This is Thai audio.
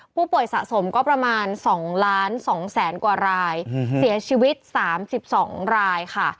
ผู้ป่วยสะสมก็ประมาณ๒๒๐๐๐กว่ารายเสียชีวิต๓๒รายค่ะ